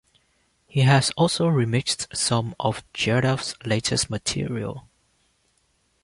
He has also remixed some of Geldof's latest material.